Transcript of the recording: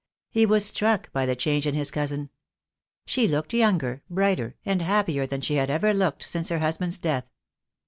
He was struck by the change in his cousin. She looked younger, brighter, and happier than she had ever looked since her husband's death.